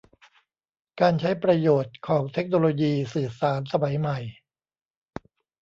การใช้ประโยชน์ของเทคโนโลยีสื่อสารสมัยใหม่